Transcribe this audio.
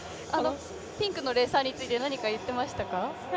ピンクのレーサーについて何か言ってましたか？